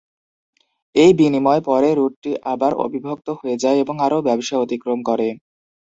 এই বিনিময় পরে, রুটটি আবার অবিভক্ত হয়ে যায় এবং আরও ব্যবসা অতিক্রম করে।